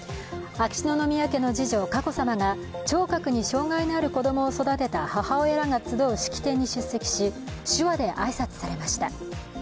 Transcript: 秋篠宮家の次女、佳子さまが、聴覚に障害のある子供を育てた母親らが集う式典に出席し手話で挨拶されました。